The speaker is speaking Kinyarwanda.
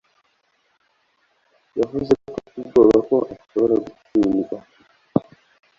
Yavuze ko afite ubwoba ko ashobora gutsindwa